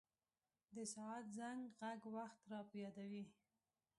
د ساعت زنګ ږغ وخت را په یادوي.